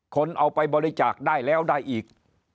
คนเอาไปบริจาคได้แล้วได้อีก